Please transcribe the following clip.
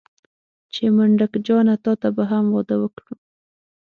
چې منډک جانه تاته به هم واده وکړو.